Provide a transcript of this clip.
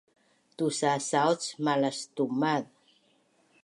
tusasauc malastumaz